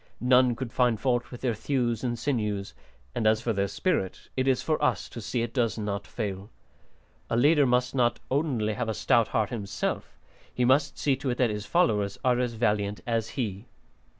None could find fault with their thews and sinews, and as for their spirit, it is for us to see it does not fail. A leader must not only have a stout heart himself; he must see to it that his followers are as valiant as he."